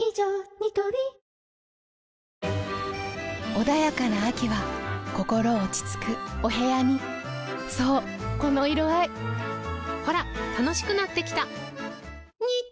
ニトリ穏やかな秋は心落ち着くお部屋にそうこの色合いほら楽しくなってきた！